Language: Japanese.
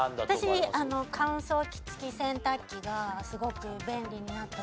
私乾燥機付き洗濯機がすごく便利になったなと思うんですけど。